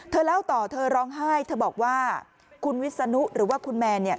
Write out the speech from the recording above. เล่าต่อเธอร้องไห้เธอบอกว่าคุณวิศนุหรือว่าคุณแมนเนี่ย